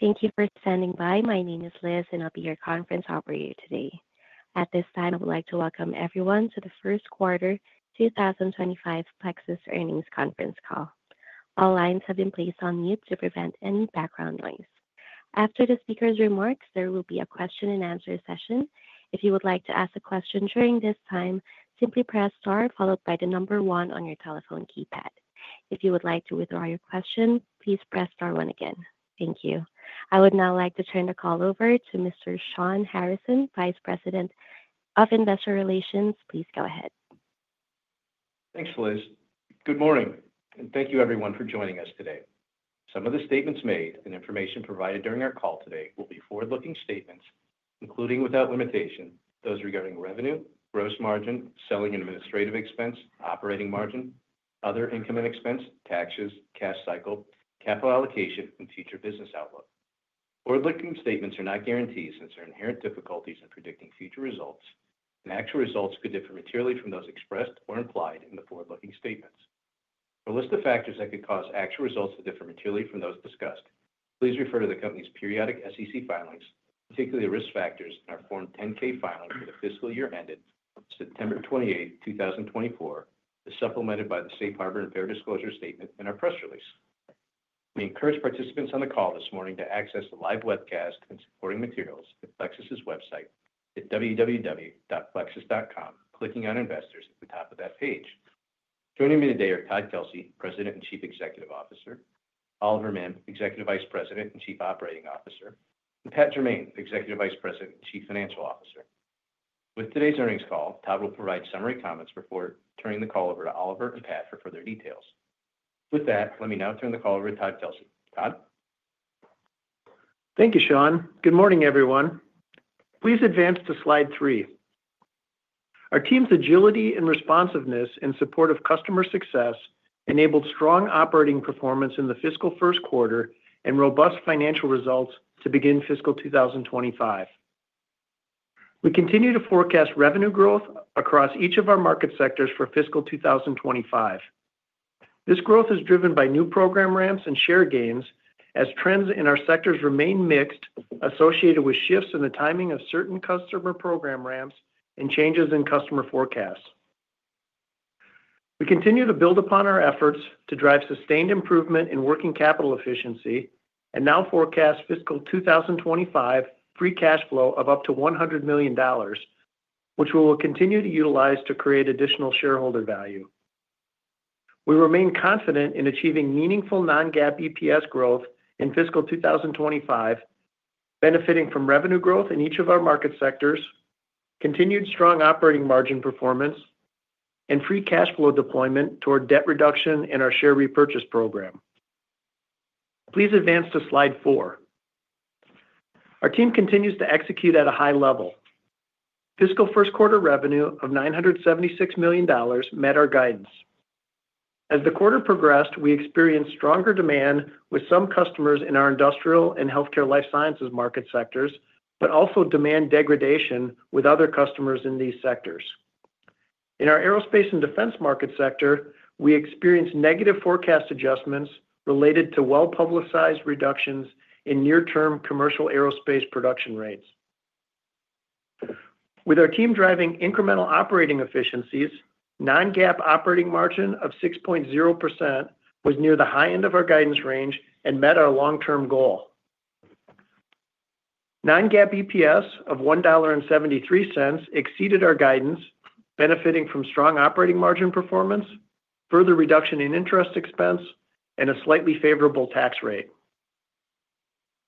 Thank you for standing by. My name is Liz, and I'll be your conference operator today. At this time, I would like to welcome everyone to the First Quarter 2025 Plexus Earnings Conference Call. All lines have been placed on mute to prevent any background noise. After the speaker's remarks, there will be a question-and-answer session. If you would like to ask a question during this time, simply press star followed by the number one on your telephone keypad. If you would like to withdraw your question, please press star one again. Thank you. I would now like to turn the call over to Mr. Shawn Harrison, Vice President of Investor Relations. Please go ahead. Thanks, Liz. Good morning, and thank you, everyone, for joining us today. Some of the statements made and information provided during our call today will be forward-looking statements, including without limitation, those regarding revenue, gross margin, selling and administrative expense, operating margin, other income and expense, taxes, cash cycle, capital allocation, and future business outlook. Forward-looking statements are not guarantees since there are inherent difficulties in predicting future results, and actual results could differ materially from those expressed or implied in the forward-looking statements. For a list of factors that could cause actual results to differ materially from those discussed, please refer to the company's periodic SEC filings, particularly the risk factors in our Form 10-K filing for the fiscal year ended September 28, 2024, as supplemented by the safe harbor and fair disclosure statement in our press release. We encourage participants on the call this morning to access the live webcast and supporting materials at Plexus' website at www.plexus.com, clicking on Investors at the top of that page. Joining me today are Todd Kelsey, President and Chief Executive Officer, Oliver Mihm, Executive Vice President and Chief Operating Officer, and Pat Jermain, Executive Vice President and Chief Financial Officer. With today's earnings call, Todd will provide summary comments before turning the call over to Oliver and Pat for further details. With that, let me now turn the call over to Todd Kelsey. Todd? Thank you, Shawn. Good morning, everyone. Please advance to slide three. Our team's agility and responsiveness in support of customer success enabled strong operating performance in the fiscal first quarter and robust financial results to begin fiscal 2025. We continue to forecast revenue growth across each of our market sectors for fiscal 2025. This growth is driven by new program ramps and share gains as trends in our sectors remain mixed, associated with shifts in the timing of certain customer program ramps and changes in customer forecasts. We continue to build upon our efforts to drive sustained improvement in working capital efficiency and now forecast fiscal 2025 free cash flow of up to $100 million, which we will continue to utilize to create additional shareholder value. We remain confident in achieving meaningful non-GAAP EPS growth in fiscal 2025, benefiting from revenue growth in each of our market sectors, continued strong operating margin performance, and free cash flow deployment toward debt reduction in our share repurchase program. Please advance to slide four. Our team continues to execute at a high level. Fiscal first quarter revenue of $976 million met our guidance. As the quarter progressed, we experienced stronger demand with some customers in our industrial and healthcare life sciences market sectors, but also demand degradation with other customers in these sectors. In our aerospace and defense market sector, we experienced negative forecast adjustments related to well-publicized reductions in near-term commercial aerospace production rates. With our team driving incremental operating efficiencies, non-GAAP operating margin of 6.0% was near the high end of our guidance range and met our long-term goal. Non-GAAP EPS of $1.73 exceeded our guidance, benefiting from strong operating margin performance, further reduction in interest expense, and a slightly favorable tax rate.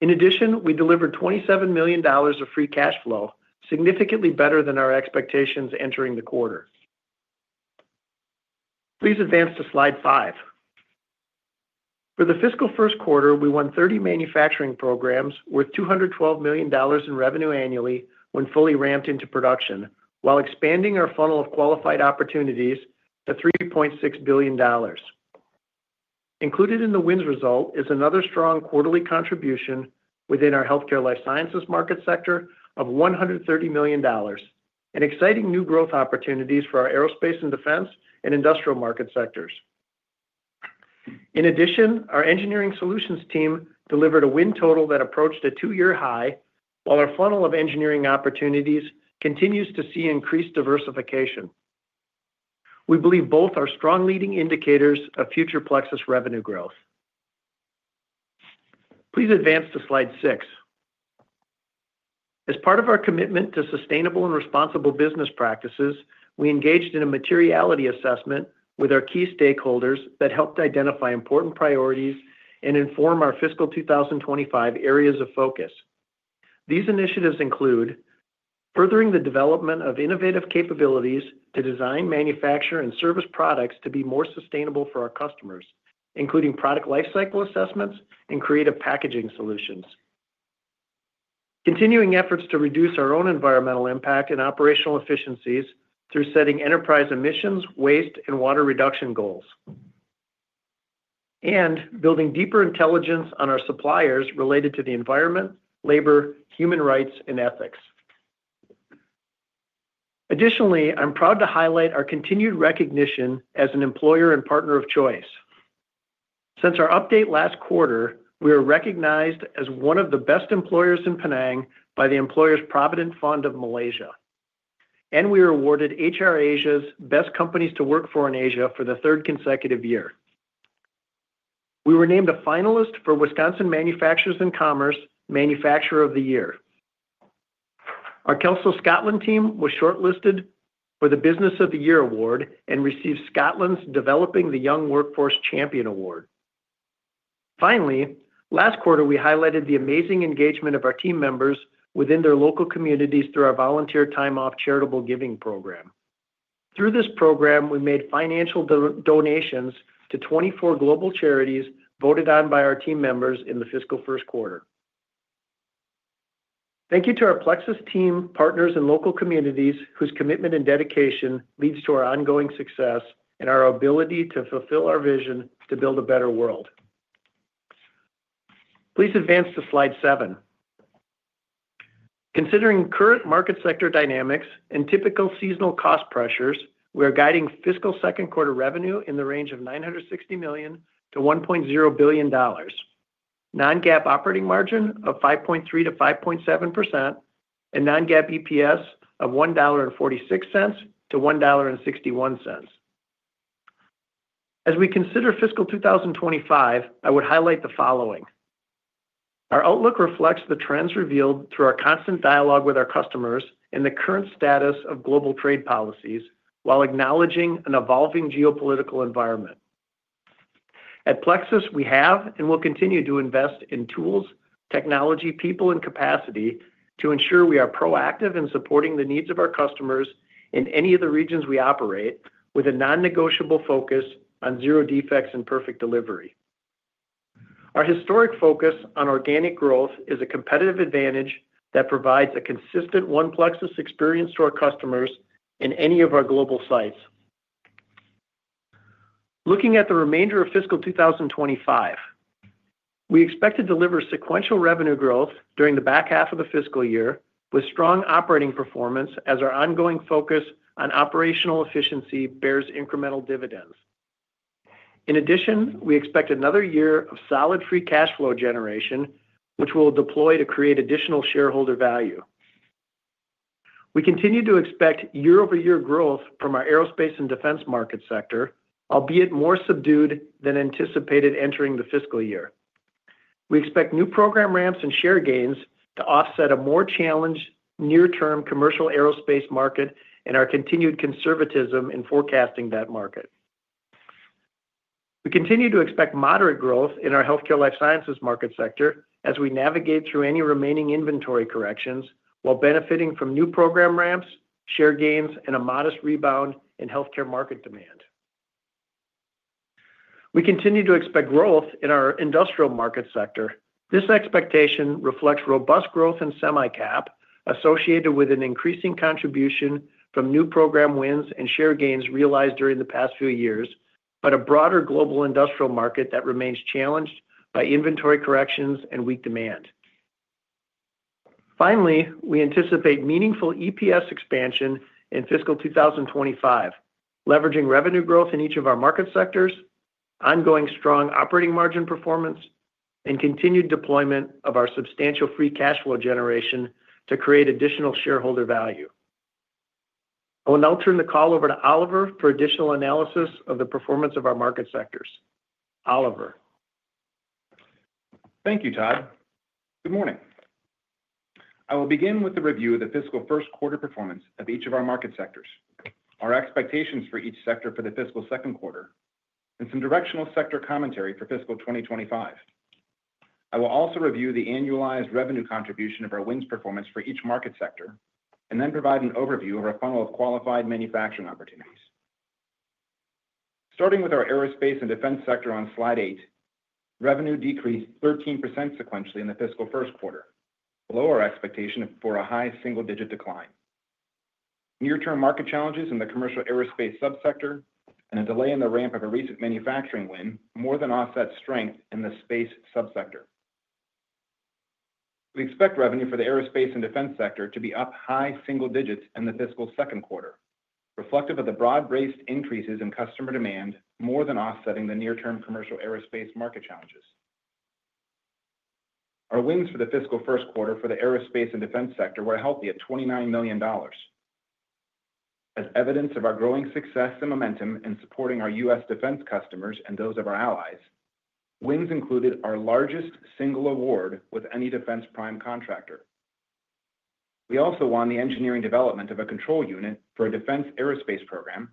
In addition, we delivered $27 million of free cash flow, significantly better than our expectations entering the quarter. Please advance to slide five. For the fiscal first quarter, we won 30 manufacturing programs worth $212 million in revenue annually when fully ramped into production, while expanding our funnel of qualified opportunities to $3.6 billion. Included in the wins result is another strong quarterly contribution within our healthcare life sciences market sector of $130 million, and exciting new growth opportunities for our aerospace and defense and industrial market sectors. In addition, our engineering solutions team delivered a win total that approached a two-year high, while our funnel of engineering opportunities continues to see increased diversification. We believe both are strong leading indicators of future Plexus revenue growth. Please advance to slide six. As part of our commitment to sustainable and responsible business practices, we engaged in a materiality assessment with our key stakeholders that helped identify important priorities and inform our fiscal 2025 areas of focus. These initiatives include furthering the development of innovative capabilities to design, manufacture, and service products to be more sustainable for our customers, including product life cycle assessments and creative packaging solutions. Continuing efforts to reduce our own environmental impact and operational efficiencies through setting enterprise emissions, waste, and water reduction goals, and building deeper intelligence on our suppliers related to the environment, labor, human rights, and ethics. Additionally, I'm proud to highlight our continued recognition as an employer and partner of choice. Since our update last quarter, we are recognized as one of the best employers in Penang by the Employees Provident Fund of Malaysia, and we are awarded HR Asia's Best Companies to Work for in Asia for the third consecutive year. We were named a finalist for Wisconsin Manufacturers and Commerce Manufacturer of the Year. Our Kelso, Scotland team was shortlisted for the Business of the Year Award and received Scotland's Developing the Young Workforce Champion Award. Finally, last quarter, we highlighted the amazing engagement of our team members within their local communities through our volunteer time-off charitable giving program. Through this program, we made financial donations to 24 global charities voted on by our team members in the fiscal first quarter. Thank you to our Plexus team, partners, and local communities whose commitment and dedication leads to our ongoing success and our ability to fulfill our vision to build a better world. Please advance to slide seven. Considering current market sector dynamics and typical seasonal cost pressures, we are guiding fiscal second quarter revenue in the range of $960 million-$1.0 billion, non-GAAP operating margin of 5.3%-5.7%, and non-GAAP EPS of $1.46-$1.61. As we consider fiscal 2025, I would highlight the following. Our outlook reflects the trends revealed through our constant dialogue with our customers and the current status of global trade policies, while acknowledging an evolving geopolitical environment. At Plexus, we have and will continue to invest in tools, technology, people, and capacity to ensure we are proactive in supporting the needs of our customers in any of the regions we operate, with a non-negotiable focus on zero defects and perfect delivery. Our historic focus on organic growth is a competitive advantage that provides a consistent one Plexus experience to our customers in any of our global sites. Looking at the remainder of fiscal 2025, we expect to deliver sequential revenue growth during the back half of the fiscal year with strong operating performance as our ongoing focus on operational efficiency bears incremental dividends. In addition, we expect another year of solid free cash flow generation, which we will deploy to create additional shareholder value. We continue to expect year-over-year growth from our aerospace and defense market sector, albeit more subdued than anticipated entering the fiscal year. We expect new program ramps and share gains to offset a more challenged near-term commercial aerospace market and our continued conservatism in forecasting that market. We continue to expect moderate growth in our healthcare life sciences market sector as we navigate through any remaining inventory corrections while benefiting from new program ramps, share gains, and a modest rebound in healthcare market demand. We continue to expect growth in our industrial market sector. This expectation reflects robust growth in semi-cap associated with an increasing contribution from new program wins and share gains realized during the past few years, but a broader global industrial market that remains challenged by inventory corrections and weak demand. Finally, we anticipate meaningful EPS expansion in fiscal 2025, leveraging revenue growth in each of our market sectors, ongoing strong operating margin performance, and continued deployment of our substantial free cash flow generation to create additional shareholder value. I will now turn the call over to Oliver for additional analysis of the performance of our market sectors. Oliver. Thank you, Todd. Good morning. I will begin with the review of the fiscal first quarter performance of each of our market sectors, our expectations for each sector for the fiscal second quarter, and some directional sector commentary for fiscal 2025. I will also review the annualized revenue contribution of our wins performance for each market sector and then provide an overview of our funnel of qualified manufacturing opportunities. Starting with our aerospace and defense sector on slide eight, revenue decreased 13% sequentially in the fiscal first quarter, below our expectation for a high single-digit decline. Near-term market challenges in the commercial aerospace subsector and a delay in the ramp of a recent manufacturing win more than offset strength in the space subsector. We expect revenue for the aerospace and defense sector to be up high single digits in the fiscal second quarter, reflective of the broad-based increases in customer demand more than offsetting the near-term commercial aerospace market challenges. Our wins for the fiscal first quarter for the aerospace and defense sector were healthy at $29 million. As evidence of our growing success and momentum in supporting our U.S. defense customers and those of our allies, wins included our largest single award with any defense prime contractor. We also won the engineering development of a control unit for a defense aerospace program,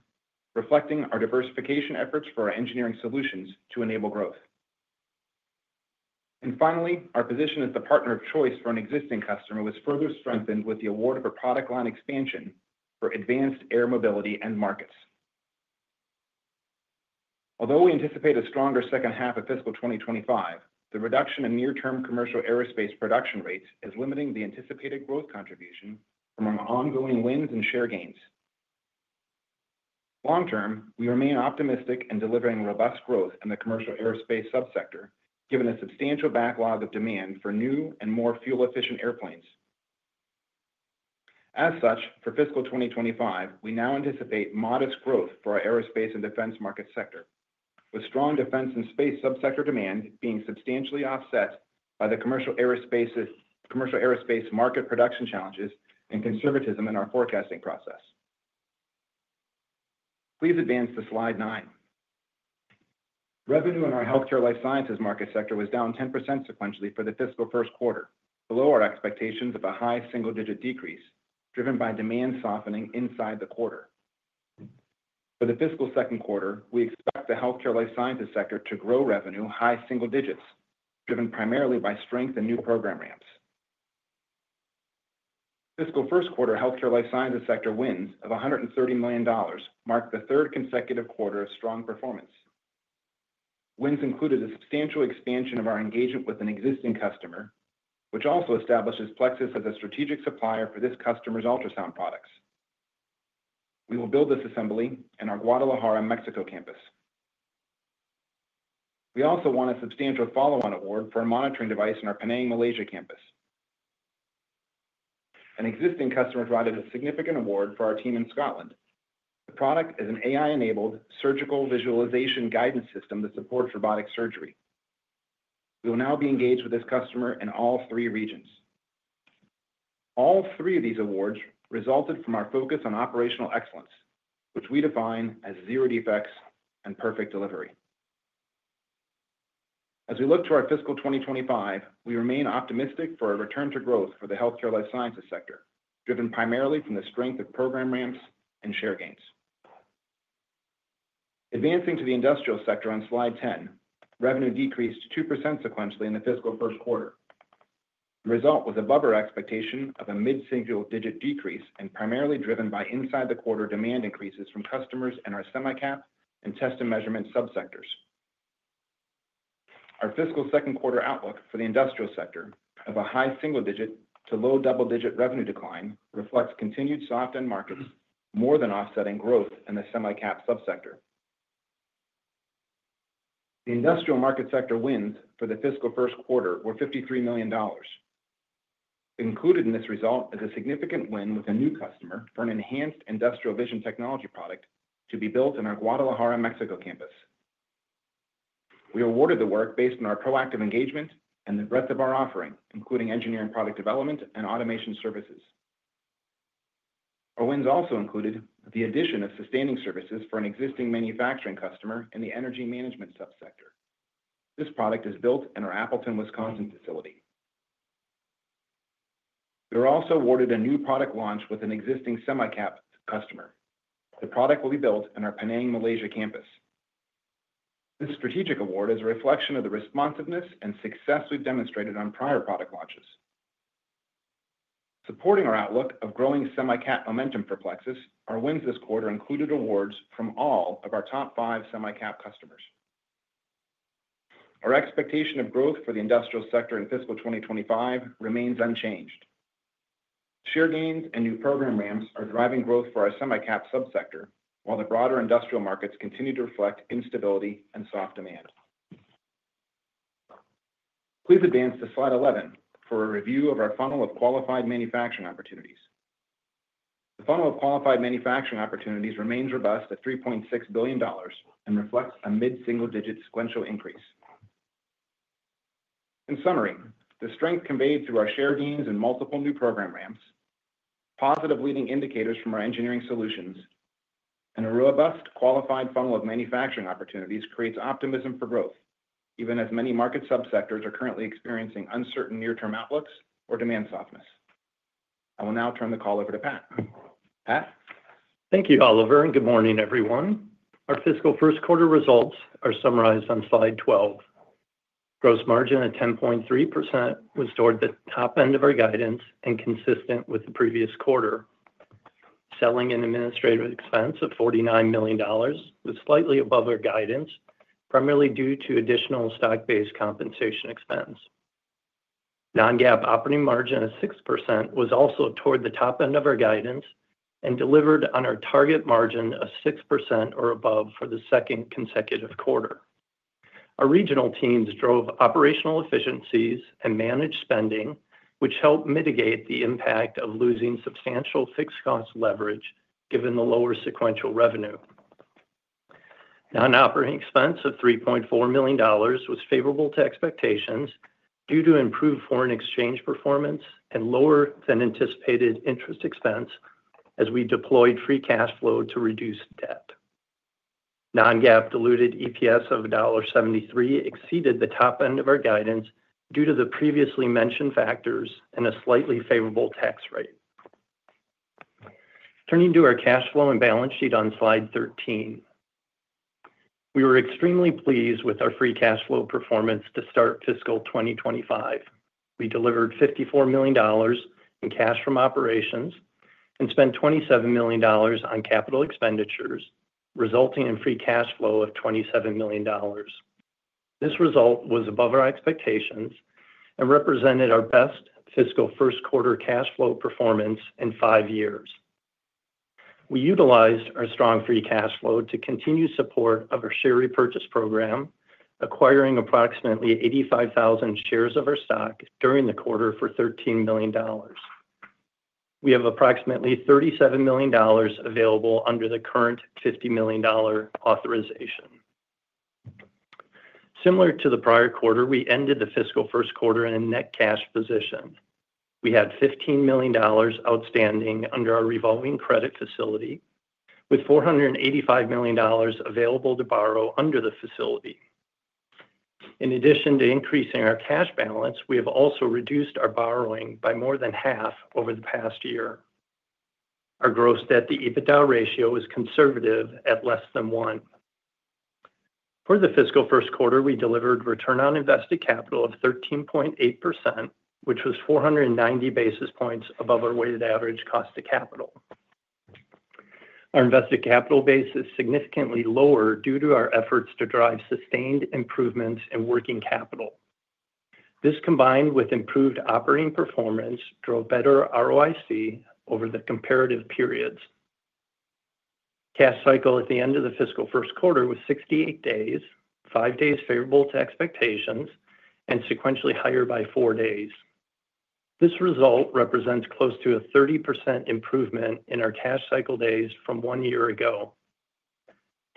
reflecting our diversification efforts for our engineering solutions to enable growth. And finally, our position as the partner of choice for an existing customer was further strengthened with the award of a product line expansion for Advanced Air Mobility end markets. Although we anticipate a stronger second half of fiscal 2025, the reduction in near-term commercial aerospace production rates is limiting the anticipated growth contribution from our ongoing wins and share gains. Long-term, we remain optimistic in delivering robust growth in the commercial aerospace subsector, given a substantial backlog of demand for new and more fuel-efficient airplanes. As such, for fiscal 2025, we now anticipate modest growth for our aerospace and defense market sector, with strong defense and space subsector demand being substantially offset by the commercial aerospace market production challenges and conservatism in our forecasting process. Please advance to slide nine. Revenue in our healthcare life sciences market sector was down 10% sequentially for the fiscal first quarter, below our expectations of a high single-digit decrease driven by demand softening inside the quarter. For the fiscal second quarter, we expect the healthcare life sciences sector to grow revenue high single digits, driven primarily by strength and new program ramps. Fiscal first quarter healthcare life sciences sector wins of $130 million marked the third consecutive quarter of strong performance. Wins included a substantial expansion of our engagement with an existing customer, which also establishes Plexus as a strategic supplier for this customer's ultrasound products. We will build this assembly in our Guadalajara, Mexico campus. We also won a substantial follow-on award for a monitoring device in our Penang, Malaysia campus. An existing customer provided a significant award for our team in Scotland. The product is an AI-enabled surgical visualization guidance system that supports robotic surgery. We will now be engaged with this customer in all three regions. All three of these awards resulted from our focus on operational excellence, which we define as zero defects and perfect delivery. As we look to our fiscal 2025, we remain optimistic for a return to growth for the healthcare life sciences sector, driven primarily from the strength of program ramps and share gains. Advancing to the industrial sector on slide 10, revenue decreased 2% sequentially in the fiscal first quarter. The result was above our expectation of a mid-single-digit decrease and primarily driven by inside-the-quarter demand increases from customers in our semi-cap and test and measurement subsectors. Our fiscal second quarter outlook for the industrial sector of a high single-digit to low double-digit revenue decline reflects continued soft end markets more than offsetting growth in the semi-cap subsector. The industrial market sector wins for the fiscal first quarter were $53 million. Included in this result is a significant win with a new customer for an enhanced industrial vision technology product to be built in our Guadalajara, Mexico campus. We awarded the work based on our proactive engagement and the breadth of our offering, including engineering product development and automation services. Our wins also included the addition of sustaining services for an existing manufacturing customer in the energy management subsector. This product is built in our Appleton, Wisconsin facility. We were also awarded a new product launch with an existing semi-cap customer. The product will be built in our Penang, Malaysia campus. This strategic award is a reflection of the responsiveness and success we've demonstrated on prior product launches. Supporting our outlook of growing semi-cap momentum for Plexus, our wins this quarter included awards from all of our top five semi-cap customers. Our expectation of growth for the industrial sector in fiscal 2025 remains unchanged. Share gains and new program ramps are driving growth for our semi-cap subsector, while the broader industrial markets continue to reflect instability and soft demand. Please advance to slide 11 for a review of our funnel of qualified manufacturing opportunities. The funnel of qualified manufacturing opportunities remains robust at $3.6 billion and reflects a mid-single-digit sequential increase. In summary, the strength conveyed through our share gains and multiple new program ramps, positive leading indicators from our engineering solutions, and a robust qualified funnel of manufacturing opportunities creates optimism for growth, even as many market subsectors are currently experiencing uncertain near-term outlooks or demand softness. I will now turn the call over to Pat. Pat. Thank you, Oliver, and good morning, everyone. Our fiscal first quarter results are summarized on slide 12. Gross margin at 10.3% was toward the top end of our guidance and consistent with the previous quarter. Selling and administrative expense of $49 million was slightly above our guidance, primarily due to additional stock-based compensation expense. Non-GAAP operating margin of 6% was also toward the top end of our guidance and delivered on our target margin of 6% or above for the second consecutive quarter. Our regional teams drove operational efficiencies and managed spending, which helped mitigate the impact of losing substantial fixed cost leverage given the lower sequential revenue. Non-operating expense of $3.4 million was favorable to expectations due to improved foreign exchange performance and lower than anticipated interest expense as we deployed free cash flow to reduce debt. Non-GAAP diluted EPS of $1.73 exceeded the top end of our guidance due to the previously mentioned factors and a slightly favorable tax rate. Turning to our cash flow and balance sheet on slide 13, we were extremely pleased with our free cash flow performance to start fiscal 2025. We delivered $54 million in cash from operations and spent $27 million on capital expenditures, resulting in free cash flow of $27 million. This result was above our expectations and represented our best fiscal first quarter cash flow performance in five years. We utilized our strong free cash flow to continue support of our share repurchase program, acquiring approximately 85,000 shares of our stock during the quarter for $13 million. We have approximately $37 million available under the current $50 million authorization. Similar to the prior quarter, we ended the fiscal first quarter in a net cash position. We had $15 million outstanding under our revolving credit facility, with $485 million available to borrow under the facility. In addition to increasing our cash balance, we have also reduced our borrowing by more than half over the past year. Our gross debt-to-EBITDA ratio is conservative at less than one. For the fiscal first quarter, we delivered return on invested capital of 13.8%, which was 490 basis points above our weighted average cost of capital. Our invested capital base is significantly lower due to our efforts to drive sustained improvements in working capital. This combined with improved operating performance drove better ROIC over the comparative periods. Cash cycle at the end of the fiscal first quarter was 68 days, five days favorable to expectations, and sequentially higher by four days. This result represents close to a 30% improvement in our cash cycle days from one year ago.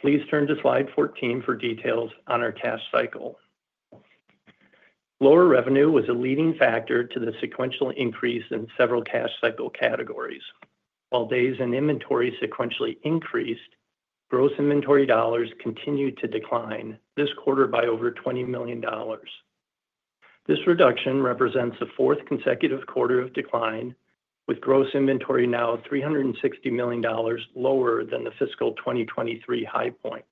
Please turn to slide 14 for details on our cash cycle. Lower revenue was a leading factor to the sequential increase in several cash cycle categories. While days in inventory sequentially increased, gross inventory dollars continued to decline this quarter by over $20 million. This reduction represents the fourth consecutive quarter of decline, with gross inventory now $360 million lower than the fiscal 2023 high point.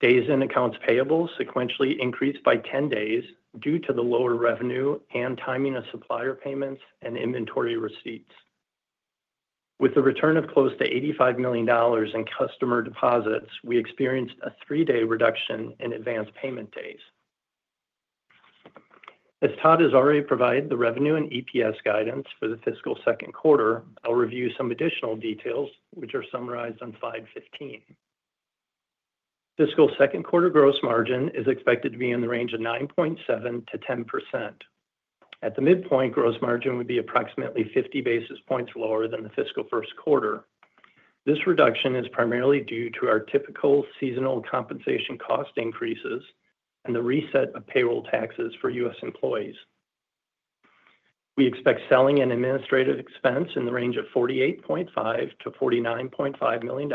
Days in accounts payable sequentially increased by 10 days due to the lower revenue and timing of supplier payments and inventory receipts. With the return of close to $85 million in customer deposits, we experienced a three-day reduction in advance payment days. As Todd has already provided the revenue and EPS guidance for the fiscal second quarter, I'll review some additional details, which are summarized on slide 15. Fiscal second quarter gross margin is expected to be in the range of 9.7%-10%. At the midpoint, gross margin would be approximately 50 basis points lower than the fiscal first quarter. This reduction is primarily due to our typical seasonal compensation cost increases and the reset of payroll taxes for U.S. employees. We expect selling and administrative expense in the range of $48.5-$49.5 million,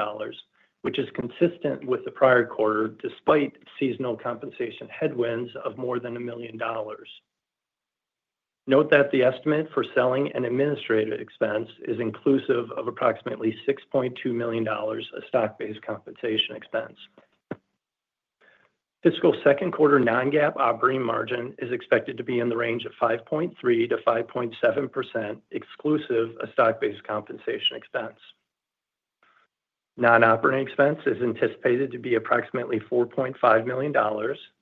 which is consistent with the prior quarter despite seasonal compensation headwinds of more than $1 million. Note that the estimate for selling and administrative expense is inclusive of approximately $6.2 million of stock-based compensation expense. Fiscal second quarter non-GAAP operating margin is expected to be in the range of 5.3%-5.7% exclusive of stock-based compensation expense. Non-operating expense is anticipated to be approximately $4.5 million.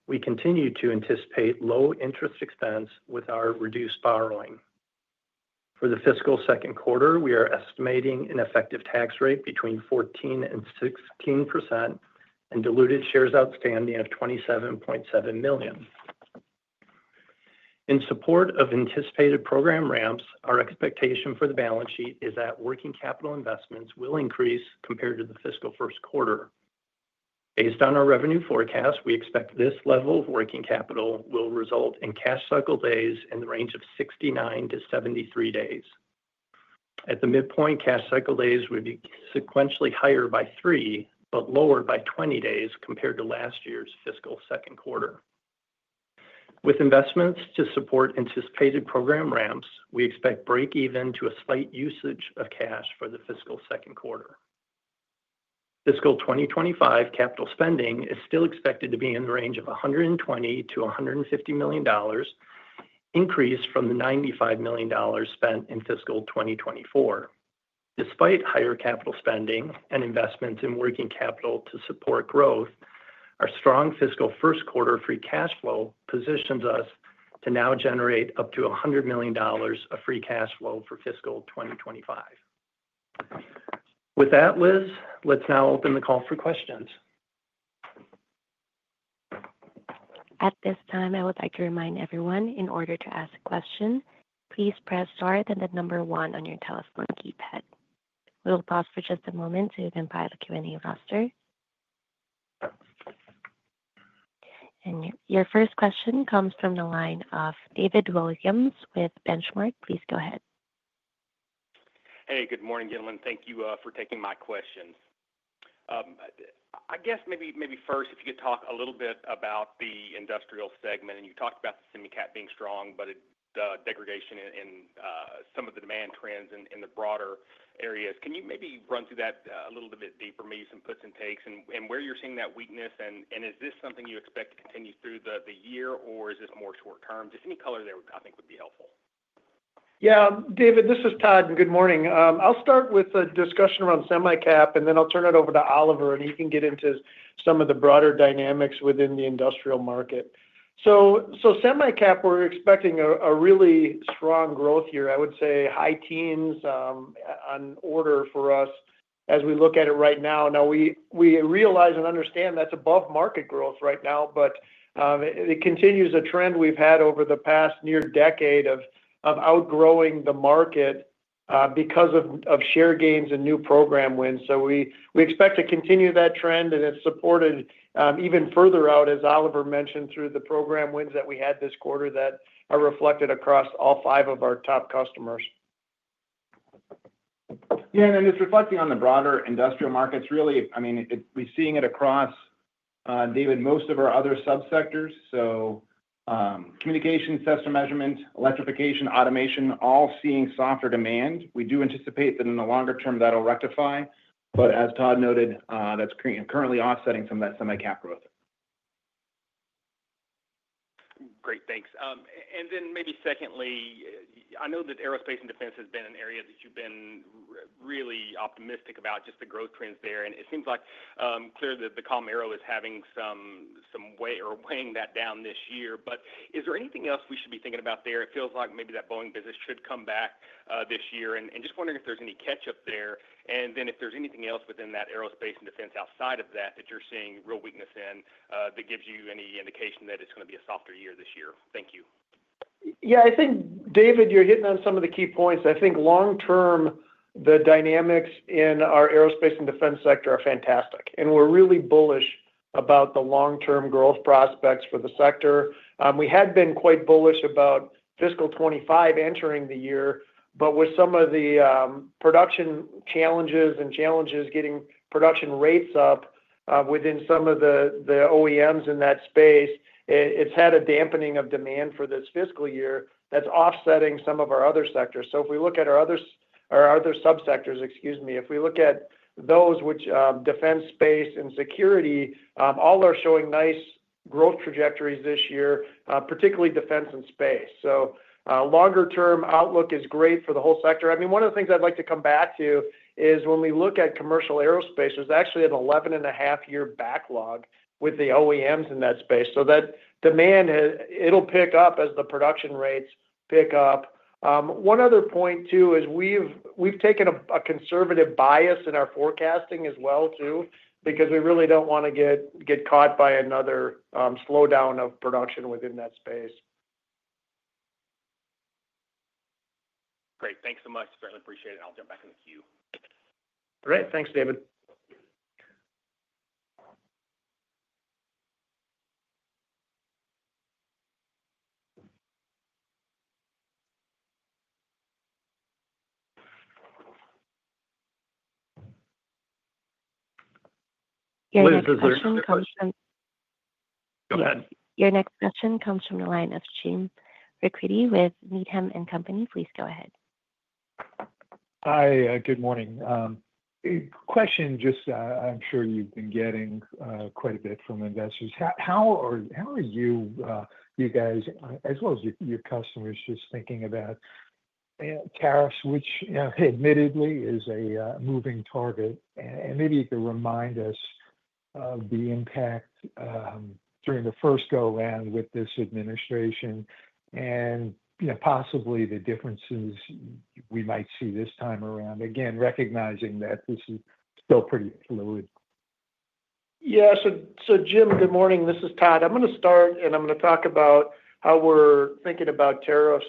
We continue to anticipate low interest expense with our reduced borrowing. For the fiscal second quarter, we are estimating an effective tax rate between 14% and 16% and diluted shares outstanding of $27.7 million. In support of anticipated program ramps, our expectation for the balance sheet is that working capital investments will increase compared to the fiscal first quarter. Based on our revenue forecast, we expect this level of working capital will result in cash cycle days in the range of 69-73 days. At the midpoint, cash cycle days would be sequentially higher by three, but lower by 20 days compared to last year's fiscal second quarter. With investments to support anticipated program ramps, we expect break-even to a slight usage of cash for the fiscal second quarter. Fiscal 2025 capital spending is still expected to be in the range of $120-$150 million, increased from the $95 million spent in fiscal 2024. Despite higher capital spending and investments in working capital to support growth, our strong fiscal first quarter free cash flow positions us to now generate up to $100 million of free cash flow for fiscal 2025. With that, Liz, let's now open the call for questions. At this time, I would like to remind everyone, in order to ask a question, please press star and then one on your telephone keypad. We will pause for just a moment so you can join the Q&A roster, and your first question comes from the line of David Williams with Benchmark. Please go ahead. Hey, good morning, Gentlemen. Thank you for taking my questions. I guess maybe first, if you could talk a little bit about the industrial segment. You talked about the semi-cap being strong, but the degradation in some of the demand trends in the broader areas. Can you maybe run through that a little bit deeper? Maybe some puts and takes and where you're seeing that weakness? Is this something you expect to continue through the year, or is this more short-term? Just any color there, I think, would be helpful. Yeah, David, this is Todd, and good morning. I'll start with a discussion around semi-cap, and then I'll turn it over to Oliver, and he can get into some of the broader dynamics within the industrial market. So semi-cap, we're expecting a really strong growth here. I would say high teens on order for us as we look at it right now. Now, we realize and understand that's above market growth right now, but it continues a trend we've had over the past near decade of outgrowing the market because of share gains and new program wins. So we expect to continue that trend, and it's supported even further out, as Oliver mentioned, through the program wins that we had this quarter that are reflected across all five of our top customers. Yeah, and then it's reflecting on the broader industrial markets. Really, I mean, we're seeing it across, David, most of our other subsectors. So communications, test and measurement, electrification, automation, all seeing softer demand. We do anticipate that in the longer term that'll rectify, but as Todd noted, that's currently offsetting some of that semi-cap growth. Great, thanks. And then maybe secondly, I know that aerospace and defense has been an area that you've been really optimistic about, just the growth trends there. And it seems like clearly the comm aero is having some weight or weighing that down this year. But is there anything else we should be thinking about there? It feels like maybe that Boeing business should come back this year. And just wondering if there's any catch-up there. And then if there's anything else within that aerospace and defense outside of that that you're seeing real weakness in that gives you any indication that it's going to be a softer year this year. Thank you. Yeah, I think, David, you're hitting on some of the key points. I think long-term, the dynamics in our aerospace and defense sector are fantastic. And we're really bullish about the long-term growth prospects for the sector. We had been quite bullish about fiscal 2025 entering the year, but with some of the production challenges and challenges getting production rates up within some of the OEMs in that space, it's had a dampening of demand for this fiscal year that's offsetting some of our other sectors. So if we look at our other subsectors, excuse me, if we look at those, which defense space and security, all are showing nice growth trajectories this year, particularly defense and space. So longer-term outlook is great for the whole sector. I mean, one of the things I'd like to come back to is when we look at commercial aerospace, there's actually an 11-and-a-half-year backlog with the OEMs in that space. So that demand, it'll pick up as the production rates pick up. One other point, too, is we've taken a conservative bias in our forecasting as well, too, because we really don't want to get caught by another slowdown of production within that space. Great. Thanks so much. Certainly appreciate it. I'll jump back in the queue. All right. Thanks, David. Your next question comes from. Go ahead. Your next question comes from the line of James Ricchiuti with Needham & Company. Please go ahead. Hi, good morning. Question. Just, I'm sure you've been getting quite a bit from investors. How are you guys, as well as your customers, just thinking about tariffs, which admittedly is a moving target, and maybe you could remind us of the impact during the first go-round with this administration and possibly the differences we might see this time around, again, recognizing that this is still pretty fluid. Yeah. So Jim, good morning. This is Todd. I'm going to start, and I'm going to talk about how we're thinking about tariffs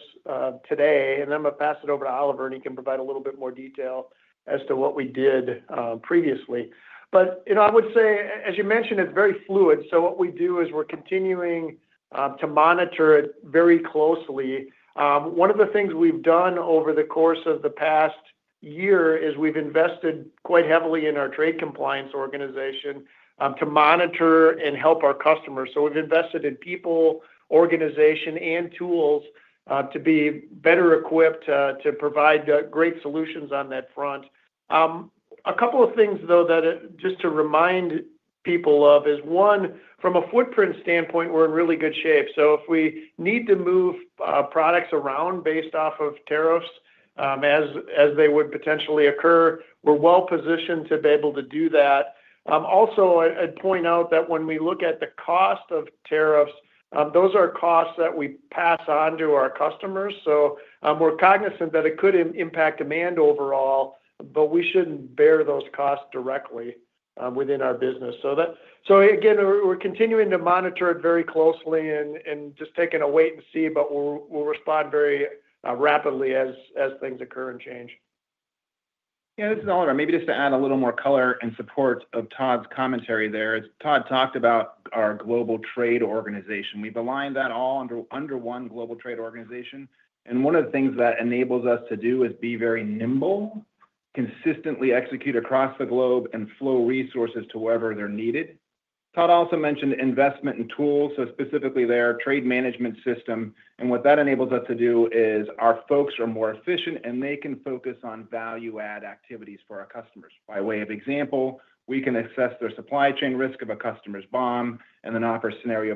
today. And then I'm going to pass it over to Oliver, and he can provide a little bit more detail as to what we did previously. But I would say, as you mentioned, it's very fluid. So what we do is we're continuing to monitor it very closely. One of the things we've done over the course of the past year is we've invested quite heavily in our trade compliance organization to monitor and help our customers. So we've invested in people, organization, and tools to be better equipped to provide great solutions on that front. A couple of things, though, that just to remind people of, is one, from a footprint standpoint, we're in really good shape. So if we need to move products around based off of tariffs as they would potentially occur, we're well-positioned to be able to do that. Also, I'd point out that when we look at the cost of tariffs, those are costs that we pass on to our customers. So we're cognizant that it could impact demand overall, but we shouldn't bear those costs directly within our business. So again, we're continuing to monitor it very closely and just taking a wait-and-see, but we'll respond very rapidly as things occur and change. Yeah, this is Oliver. Maybe just to add a little more color and support of Todd's commentary there. Todd talked about our global trade organization. We've aligned that all under one global trade organization. One of the things that enables us to do is be very nimble, consistently execute across the globe, and flow resources to wherever they're needed. Todd also mentioned investment and tools. Specifically there, trade management system. What that enables us to do is our folks are more efficient, and they can focus on value-add activities for our customers. By way of example, we can assess their supply chain risk of a customer's BOM and then offer scenario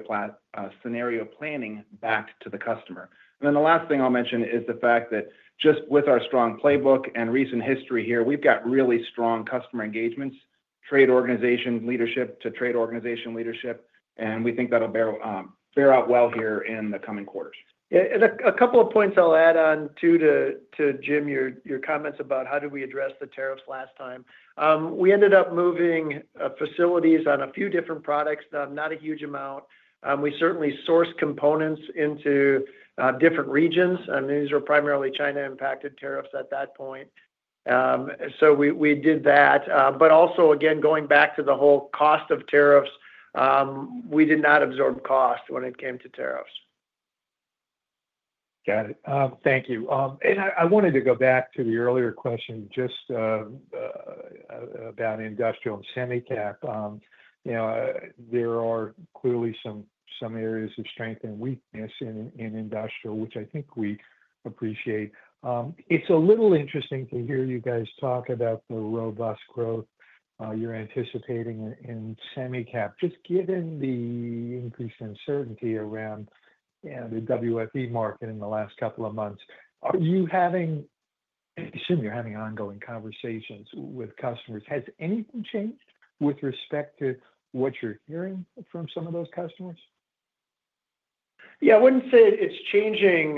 planning back to the customer. And then the last thing I'll mention is the fact that just with our strong playbook and recent history here, we've got really strong customer engagements, trade organization leadership to trade organization leadership. And we think that'll bear out well here in the coming quarters. Yeah, a couple of points I'll add on to to Jim, your comments about how did we address the tariffs last time. We ended up moving facilities on a few different products, not a huge amount. We certainly sourced components into different regions. And these were primarily China-impacted tariffs at that point. So we did that. But also, again, going back to the whole cost of tariffs, we did not absorb cost when it came to tariffs. Got it. Thank you. And I wanted to go back to the earlier question just about industrial and semi-cap. There are clearly some areas of strength and weakness in industrial, which I think we appreciate. It's a little interesting to hear you guys talk about the robust growth you're anticipating in semi-cap. Just given the increased uncertainty around the WFE market in the last couple of months, are you having? I assume you're having ongoing conversations with customers. Has anything changed with respect to what you're hearing from some of those customers? Yeah, I wouldn't say it's changing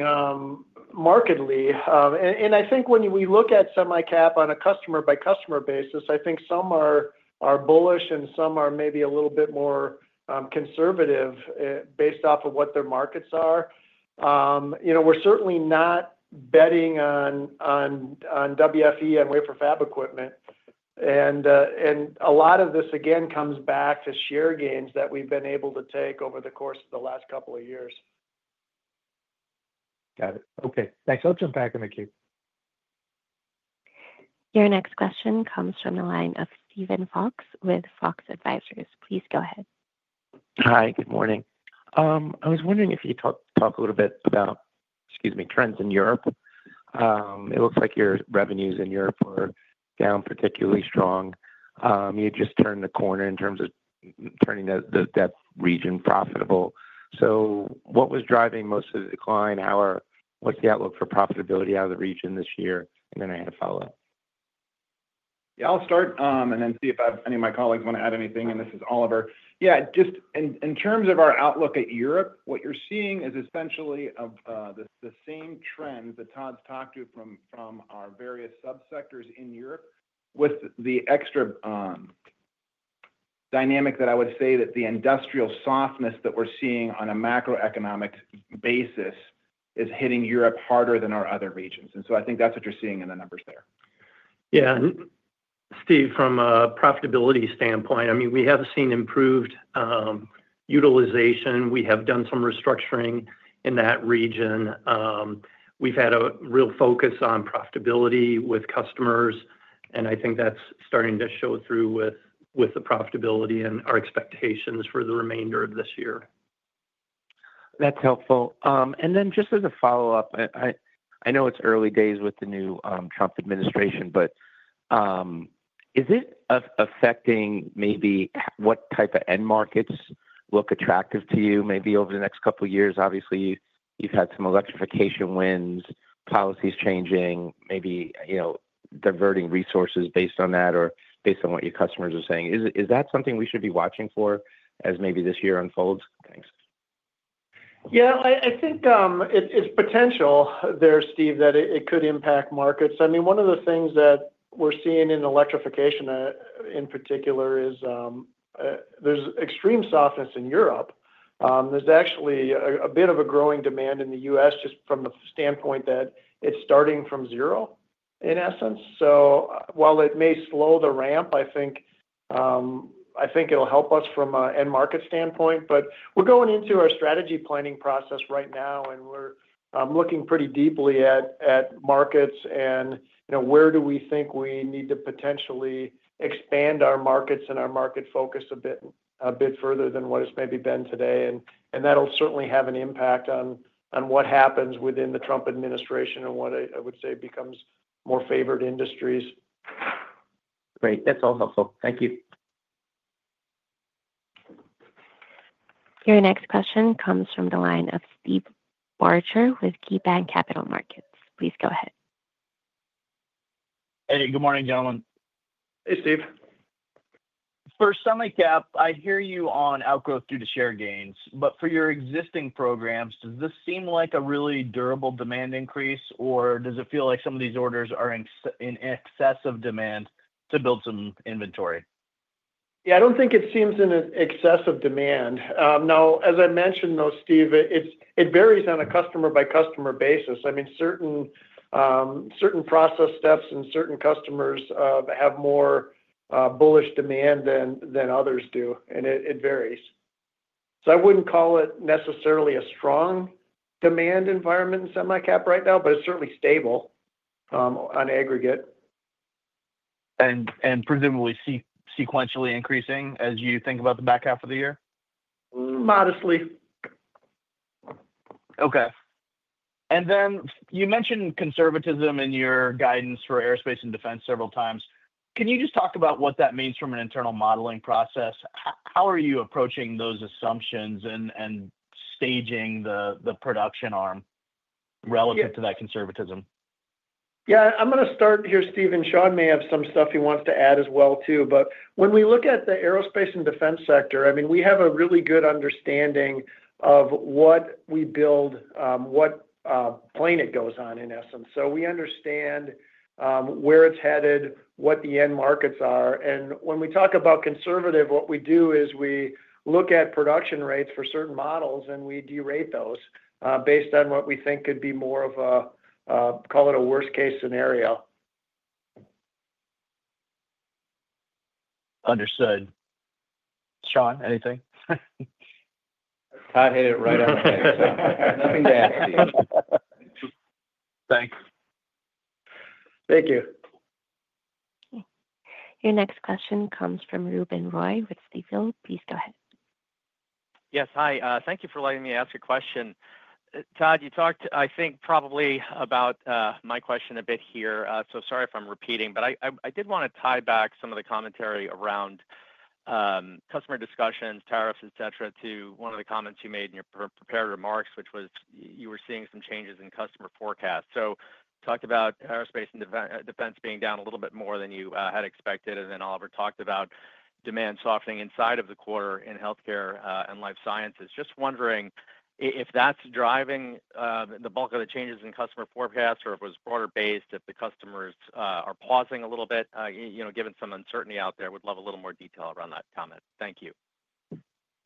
markedly. And I think when we look at semi-cap on a customer-by-customer basis, I think some are bullish and some are maybe a little bit more conservative based off of what their markets are. We're certainly not betting on WFE and wafer fab equipment. And a lot of this, again, comes back to share gains that we've been able to take over the course of the last couple of years. Got it. Okay. Thanks. I'll jump back in the queue. Your next question comes from the line of Steven Fox with Fox Advisors. Please go ahead. Hi, good morning. I was wondering if you could talk a little bit about, excuse me, trends in Europe. It looks like your revenues in Europe were down particularly strong. You had just turned the corner in terms of turning that region profitable. So what was driving most of the decline? What's the outlook for profitability out of the region this year? And then I had a follow-up. Yeah, I'll start and then see if any of my colleagues want to add anything. This is Oliver. Yeah, just in terms of our outlook at Europe, what you're seeing is essentially the same trend that Todd's talked to from our various subsectors in Europe with the extra dynamic that I would say that the industrial softness that we're seeing on a macroeconomic basis is hitting Europe harder than our other regions. So I think that's what you're seeing in the numbers there. Yeah. Steve, from a profitability standpoint, I mean, we have seen improved utilization. We have done some restructuring in that region. We've had a real focus on profitability with customers. And I think that's starting to show through with the profitability and our expectations for the remainder of this year. That's helpful. And then just as a follow-up, I know it's early days with the new Trump administration, but is it affecting maybe what type of end markets look attractive to you maybe over the next couple of years? Obviously, you've had some electrification wins, policies changing, maybe diverting resources based on that or based on what your customers are saying. Is that something we should be watching for as maybe this year unfolds? Thanks. Yeah, I think it's potential there, Steve, that it could impact markets. I mean, one of the things that we're seeing in electrification in particular is there's extreme softness in Europe. There's actually a bit of a growing demand in the US just from the standpoint that it's starting from zero in essence. So while it may slow the ramp, I think it'll help us from an end market standpoint. But we're going into our strategy planning process right now, and we're looking pretty deeply at markets and where do we think we need to potentially expand our markets and our market focus a bit further than what it's maybe been today, and that'll certainly have an impact on what happens within the Trump administration and what I would say becomes more favored industries. Great. That's all helpful. Thank you. Your next question comes from the line of Steve Barger with KeyBanc Capital Markets. Please go ahead. Hey, good morning, gentlemen. Hey, Steve. For semi-cap, I hear you on outgrowth due to share gains. But for your existing programs, does this seem like a really durable demand increase, or does it feel like some of these orders are in excess of demand to build some inventory? Yeah, I don't think it seems in excess of demand. Now, as I mentioned, though, Steve, it varies on a customer-by-customer basis. I mean, certain process steps and certain customers have more bullish demand than others do. And it varies. So I wouldn't call it necessarily a strong demand environment in semi-cap right now, but it's certainly stable on aggregate. And presumably sequentially increasing as you think about the back half of the year? Modestly. Okay. And then you mentioned conservatism in your guidance for aerospace and defense several times. Can you just talk about what that means from an internal modeling process? How are you approaching those assumptions and staging the production ramp relative to that conservatism? Yeah, I'm going to start here, Steven. Shawn may have some stuff he wants to add as well, too. But when we look at the aerospace and defense sector, I mean, we have a really good understanding of what we build, what plane it goes on in essence. So we understand where it's headed, what the end markets are. And when we talk about conservative, what we do is we look at production rates for certain models, and we derate those based on what we think could be more of a, call it a worst-case scenario. Understood. Shawn, anything? Todd hit it right on the head. Nothing to add, Steve. Thanks. Thank you. Your next question comes from Ruben Roy with Stifel. Please go ahead. Yes. Hi. Thank you for letting me ask a question. Todd, you talked, I think, probably about my question a bit here. So sorry if I'm repeating. But I did want to tie back some of the commentary around customer discussions, tariffs, etc., to one of the comments you made in your prepared remarks, which was you were seeing some changes in customer forecasts. So talked about aerospace and defense being down a little bit more than you had expected. And then Oliver talked about demand softening inside of the quarter in healthcare and life sciences. Just wondering if that's driving the bulk of the changes in customer forecast or if it was broader-based, if the customers are pausing a little bit, given some uncertainty out there. Would love a little more detail around that comment. Thank you.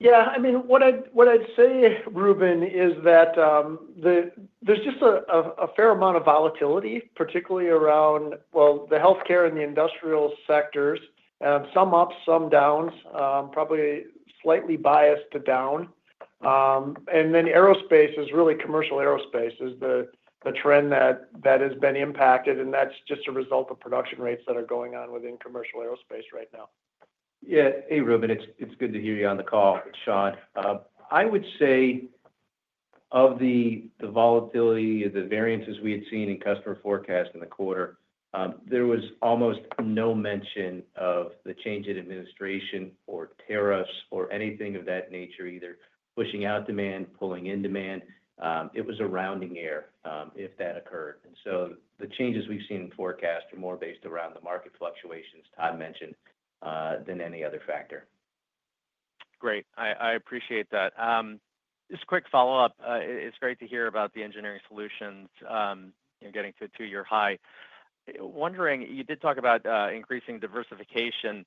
Yeah. I mean, what I'd say, Ruben, is that there's just a fair amount of volatility, particularly around, well, the healthcare and the industrial sectors, some up, some down, probably slightly biased to down. And then aerospace, really commercial aerospace, is the trend that has been impacted. And that's just a result of production rates that are going on within commercial aerospace right now. Yeah. Hey, Ruben. It's good to hear you on the call, Shawn. I would say of the volatility, the variances we had seen in customer forecast in the quarter, there was almost no mention of the change in administration or tariffs or anything of that nature, either pushing out demand, pulling in demand. It was a rounding error if that occurred. So the changes we've seen in forecast are more based around the market fluctuations Todd mentioned than any other factor. Great. I appreciate that. Just a quick follow-up. It's great to hear about the engineering solutions getting to two-year high. Wondering, you did talk about increasing diversification.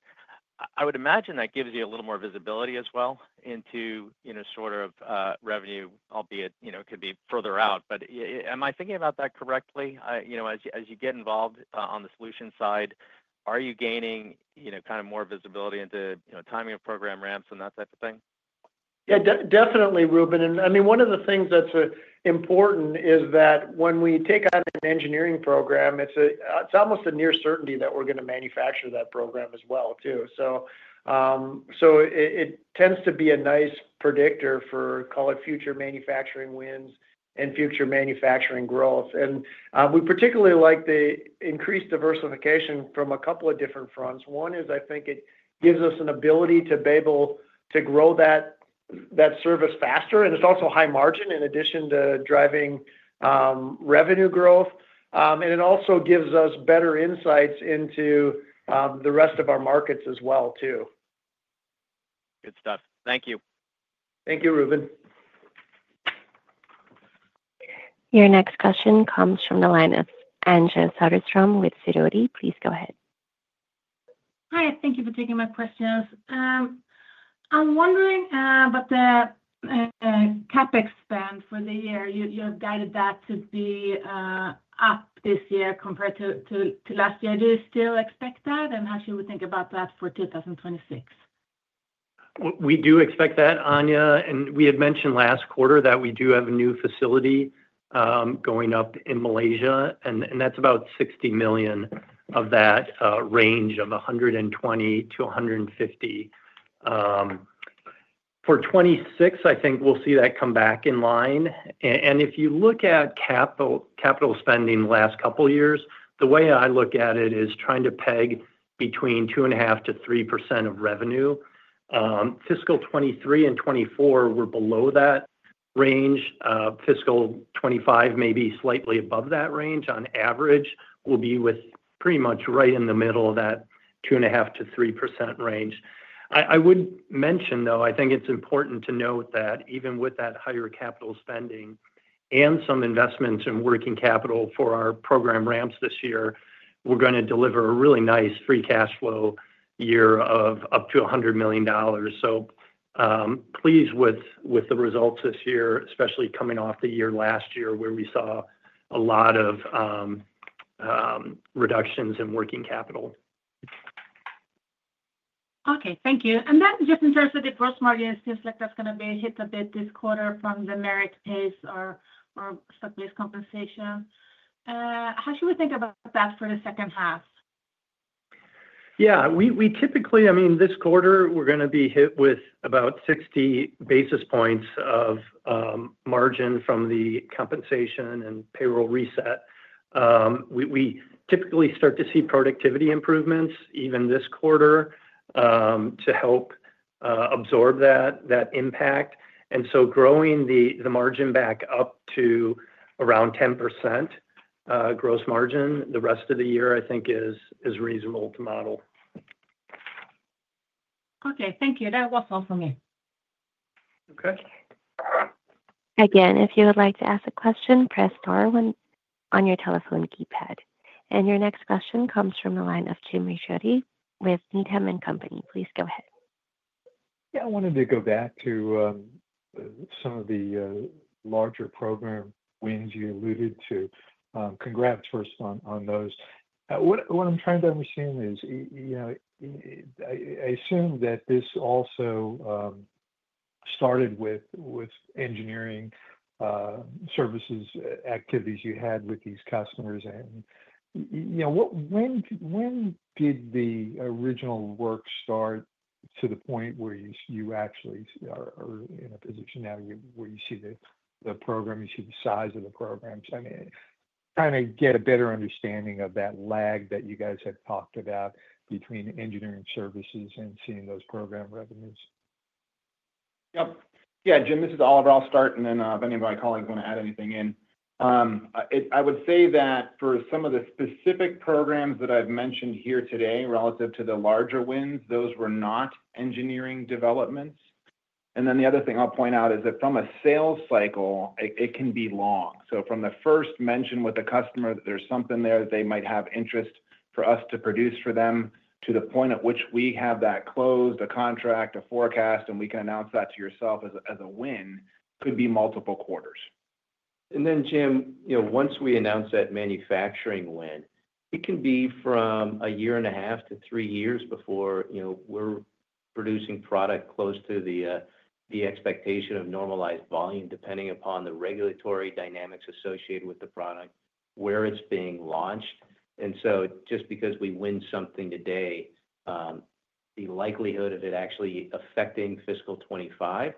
I would imagine that gives you a little more visibility as well into sort of revenue, albeit it could be further out. But am I thinking about that correctly? As you get involved on the solution side, are you gaining kind of more visibility into timing of program ramps and that type of thing? Yeah, definitely, Ruben. And I mean, one of the things that's important is that when we take on an engineering program, it's almost a near certainty that we're going to manufacture that program as well, too. So it tends to be a nice predictor for, call it, future manufacturing wins and future manufacturing growth. And we particularly like the increased diversification from a couple of different fronts. One is I think it gives us an ability to be able to grow that service faster. And it's also high margin in addition to driving revenue growth. And it also gives us better insights into the rest of our markets as well, too. Good stuff. Thank you. Thank you, Ruben. Your next question comes from the line of Anja Soderstrom with Sidoti. Please go ahead. Hi. Thank you for taking my questions. I'm wondering about the CapEx for the year. You have guided that to be up this year compared to last year. Do you still expect that, and how should we think about that for 2026? We do expect that, Anja. And we had mentioned last quarter that we do have a new facility going up in Malaysia. And that's about $60 million of that range of $120 million to $150 million. For 2026, I think we'll see that come back in line. And if you look at capital spending the last couple of years, the way I look at it is trying to peg between 2.5%-3% of revenue. Fiscal 2023 and 2024 were below that range. Fiscal 2025 may be slightly above that range. On average, we'll be with pretty much right in the middle of that 2.5%-3% range. I would mention, though, I think it's important to note that even with that higher capital spending and some investments in working capital for our program ramps this year, we're going to deliver a really nice free cash flow year of up to $100 million. So pleased with the results this year, especially coming off the year last year where we saw a lot of reductions in working capital. Okay. Thank you. And then just in terms of the gross margin, it seems like that's going to be hit a bit this quarter from the merit-based or stock-based compensation. How should we think about that for the second half? Yeah. I mean, this quarter, we're going to be hit with about 60 basis points of margin from the compensation and payroll reset. We typically start to see productivity improvements even this quarter to help absorb that impact. And so growing the margin back up to around 10% gross margin the rest of the year, I think, is reasonable to model. Okay. Thank you. That was all for me. Okay. Again, if you would like to ask a question, press star on your telephone keypad. And your next question comes from the line of James Ricchiuti with Needham & Company. Please go ahead. Yeah. I wanted to go back to some of the larger program wins you alluded to. Congrats first on those. What I'm trying to understand is I assume that this also started with engineering services activities you had with these customers. And when did the original work start to the point where you actually are in a position now where you see the program, you see the size of the programs? I mean, trying to get a better understanding of that lag that you guys have talked about between engineering services and seeing those program revenues? Yep. Yeah, Jim, this is Oliver. I'll start, and then if any of my colleagues want to add anything in. I would say that for some of the specific programs that I've mentioned here today relative to the larger wins, those were not engineering developments, and then the other thing I'll point out is that from a sales cycle, it can be long, so from the first mention with the customer, there's something there that they might have interest for us to produce for them to the point at which we have that closed, a contract, a forecast, and we can announce that to yourself as a win, could be multiple quarters. And then, Jim, once we announce that manufacturing win, it can be from a year and a half to three years before we're producing product close to the expectation of normalized volume depending upon the regulatory dynamics associated with the product where it's being launched. And so just because we win something today, the likelihood of it actually affecting fiscal 2025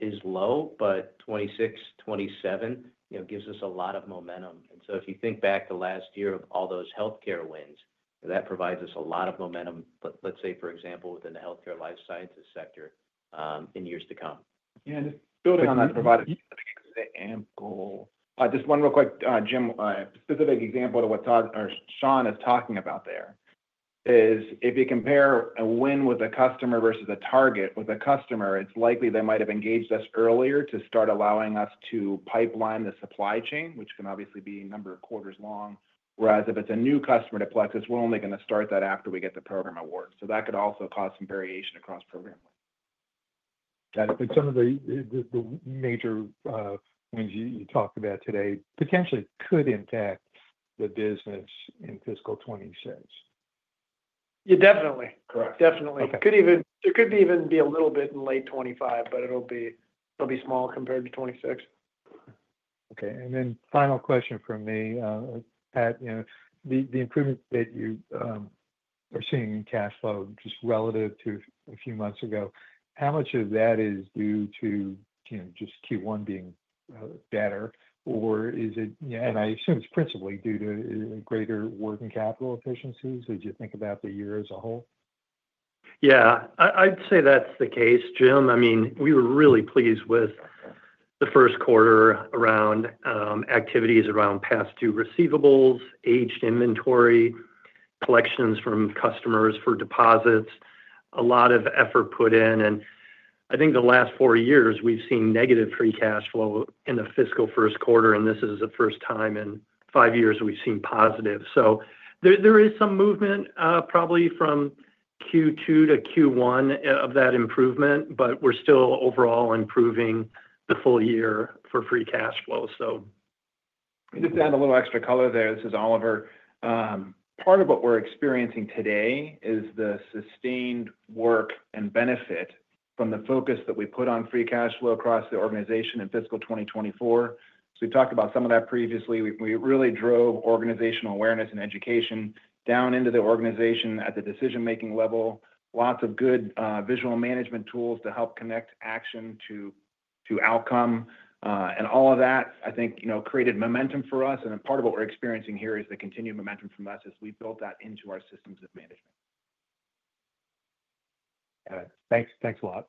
is low. But 2026, 2027 gives us a lot of momentum. And so if you think back to last year of all those healthcare wins, that provides us a lot of momentum, let's say, for example, within the healthcare life sciences sector in years to come. Building on that, provide an example. Just one real quick, Jim, specific example of what Shawn is talking about there is if you compare a win with a customer versus a target with a customer, it's likely they might have engaged us earlier to start allowing us to pipeline the supply chain, which can obviously be a number of quarters long. Whereas if it's a new customer to Plexus, we're only going to start that after we get the program award. So that could also cause some variation across programs. Got it, but some of the major wins you talked about today potentially could impact the business in fiscal 2026. Yeah, definitely. Correct. Definitely. It could even be a little bit in late 2025, but it'll be small compared to 2026. Okay. And then final question for me, Pat, the improvement that you are seeing in cash flow just relative to a few months ago, how much of that is due to just Q1 being better? Or is it, and I assume it's principally due to greater working capital efficiencies as you think about the year as a whole? Yeah. I'd say that's the case, Jim. I mean, we were really pleased with the first quarter around activities around past due receivables, aged inventory, collections from customers for deposits, a lot of effort put in, and I think the last four years, we've seen negative free cash flow in the fiscal first quarter. And this is the first time in five years we've seen positive, so there is some movement probably from Q2 to Q1 of that improvement, but we're still overall improving the full year for free cash flow, so. Just to add a little extra color there, this is Oliver. Part of what we're experiencing today is the sustained work and benefit from the focus that we put on free cash flow across the organization in fiscal 2024. So we talked about some of that previously. We really drove organizational awareness and education down into the organization at the decision-making level. Lots of good visual management tools to help connect action to outcome. And all of that, I think, created momentum for us. And part of what we're experiencing here is the continued momentum from us as we build that into our systems of management. Got it. Thanks a lot.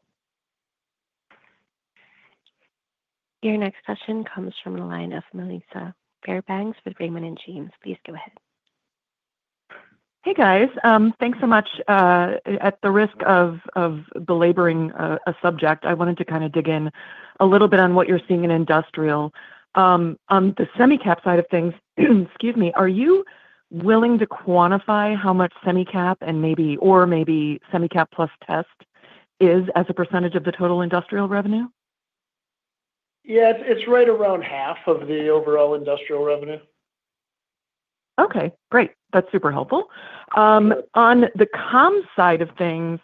Your next question comes from the line of Melissa Fairbanks with Raymond James. Please go ahead. Hey, guys. Thanks so much. At the risk of belaboring a subject, I wanted to kind of dig in a little bit on what you're seeing in industrial. On the semi-cap side of things, excuse me, are you willing to quantify how much semi-cap and maybe semi-cap plus test is as a percentage of the total industrial revenue? Yeah. It's right around half of the overall industrial revenue. Okay. Great. That's super helpful. On the comms side of things,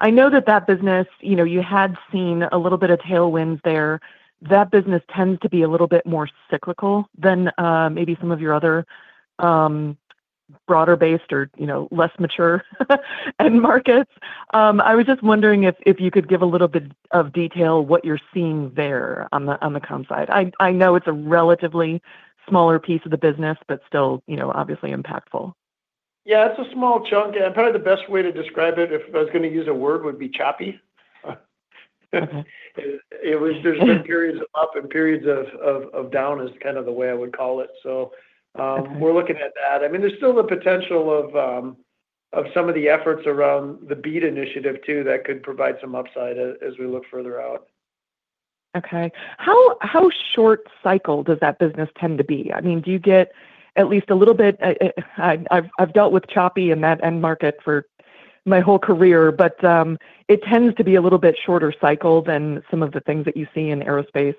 I know that that business, you had seen a little bit of tailwinds there. That business tends to be a little bit more cyclical than maybe some of your other broader-based or less mature end markets. I was just wondering if you could give a little bit of detail what you're seeing there on the comms side. I know it's a relatively smaller piece of the business, but still obviously impactful. Yeah. It's a small chunk. And probably the best way to describe it, if I was going to use a word, would be choppy. There's been periods of up and periods of down, is kind of the way I would call it. So we're looking at that. I mean, there's still the potential of some of the efforts around the BEAD initiative, too, that could provide some upside as we look further out. Okay. How short cycle does that business tend to be? I mean, do you get at least a little bit? I've dealt with choppy in that end market for my whole career, but it tends to be a little bit shorter cycle than some of the things that you see in aerospace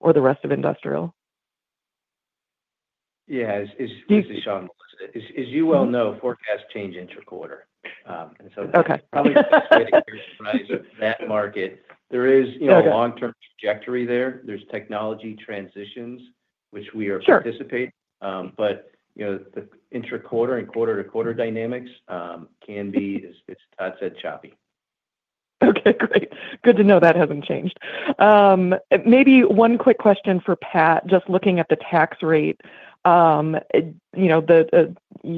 or the rest of industrial. Yeah. As you well know, forecasts change interquarter. And so that's probably the best way to characterize that market. There is a long-term trajectory there. There's technology transitions, which we are participating. But the interquarter and quarter-to-quarter dynamics can be, as Todd said, choppy. Okay. Great. Good to know that hasn't changed. Maybe one quick question for Pat. Just looking at the tax rate, you had a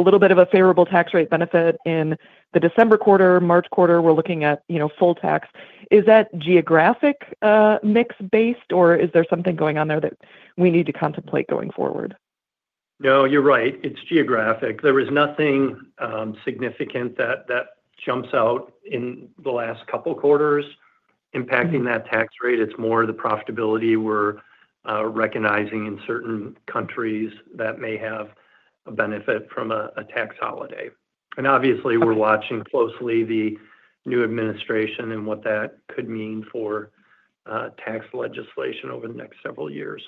little bit of a favorable tax rate benefit in the December quarter, March quarter. We're looking at full tax. Is that geographic mix based, or is there something going on there that we need to contemplate going forward? No, you're right. It's geographic. There is nothing significant that jumps out in the last couple of quarters impacting that tax rate. It's more the profitability we're recognizing in certain countries that may have a benefit from a tax holiday. And obviously, we're watching closely the new administration and what that could mean for tax legislation over the next several years.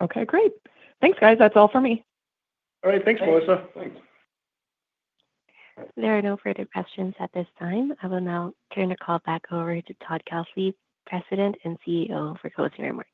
Okay. Great. Thanks, guys. That's all for me. All right. Thanks, Melissa. Thanks. There are no further questions at this time. I will now turn the call back over to Todd Kelsey, President and CEO for closing remarks.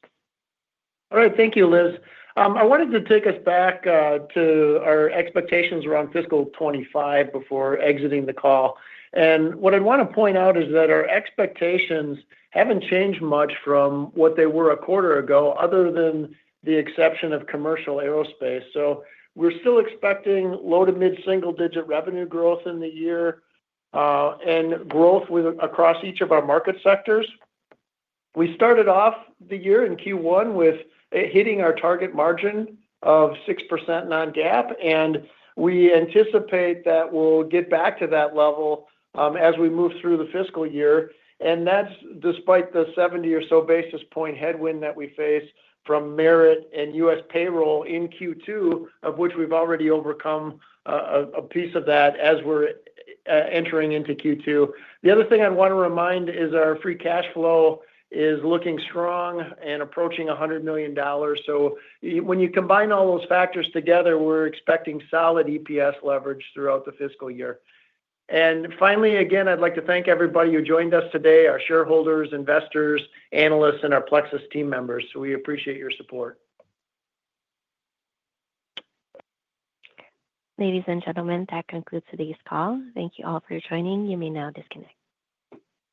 All right. Thank you, Liz. I wanted to take us back to our expectations around fiscal 2025 before exiting the call, and what I'd want to point out is that our expectations haven't changed much from what they were a quarter ago, other than the exception of commercial aerospace, so we're still expecting low- to mid-single-digit revenue growth in the year and growth across each of our market sectors. We started off the year in Q1 with hitting our target margin of 6% non-GAAP, and we anticipate that we'll get back to that level as we move through the fiscal year, and that's despite the 70 or so basis point headwind that we face from merit and U.S. payroll in Q2, of which we've already overcome a piece of that as we're entering into Q2. The other thing I'd want to remind is our free cash flow is looking strong and approaching $100 million. So when you combine all those factors together, we're expecting solid EPS leverage throughout the fiscal year. And finally, again, I'd like to thank everybody who joined us today, our shareholders, investors, analysts, and our Plexus team members. We appreciate your support. Ladies and gentlemen, that concludes today's call. Thank you all for joining. You may now disconnect.